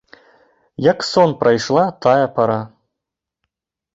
Як сон прайшла тая пара.